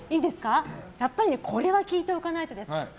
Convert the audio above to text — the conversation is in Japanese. これは聞いておかないとです。